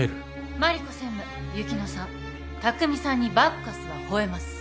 真梨子専務雪乃さん拓未さんにバッカスは吠えます。